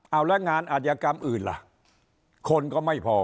เอาแล้วงานอาจยกรรมอื่นล่ะคนก็ไม่พอ